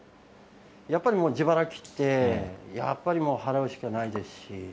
やっぱりもう自腹切って、やっぱりもう、払うしかないですし。